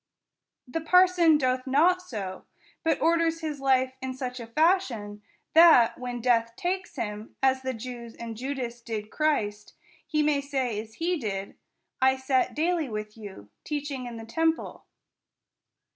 The parson doth not so, but orders his life in such a fashion, that, when death takes him, as the Jews and Judas did Christ, he may say as he did, I sat daily ivith you teaching in the temple.